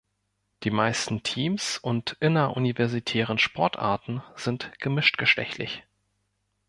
Die meisten Teams und inneruniversitären Sportarten sind gemischtgeschlechtlich.